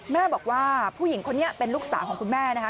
แม่บอกว่าผู้หญิงคนนี้เป็นลูกสาวของคุณแม่นะคะ